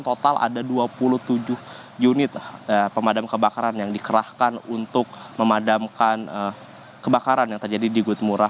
total ada dua puluh tujuh unit pemadam kebakaran yang dikerahkan untuk memadamkan kebakaran yang terjadi di good murah